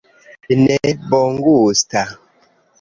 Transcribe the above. Ne bongusta...